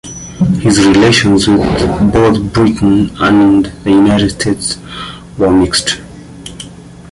His relations with both Britain and the United States were mixed.